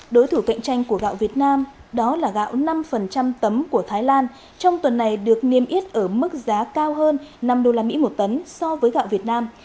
đối thủ cạnh tranh của gạo việt nam đó là gạo năm tấm của thái lan trong tuần này được niêm yết ở mức giá cao hơn năm usd một tấn so với gạo việt nam